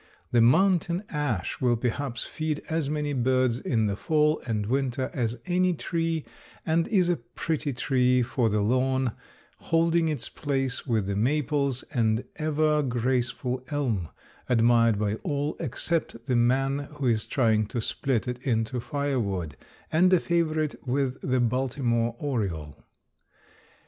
The mountain ash will perhaps feed as many birds in the fall and winter as any tree, and is a pretty tree for the lawn, holding its place with the maples, the ever graceful elm, admired by all, except the man who is trying to split it into fire wood, and a favorite with the Baltimore oriole.